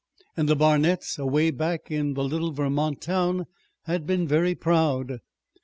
And the Barnets, away back in the little Vermont town, had been very proud.